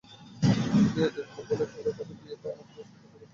নিয়তির কবলে পড়ে তার বিয়েতে আমাকে নিজ হাতে ফুলের তোড়া নিয়ে যেতে হয়!